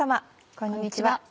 こんにちは。